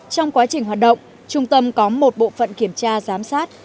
trong quá trình hoạt động trung tâm có một bộ phận kiểm tra giám sát